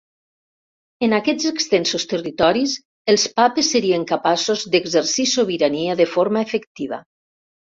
En aquests extensos territoris els papes serien capaços d'exercir sobirania de forma efectiva.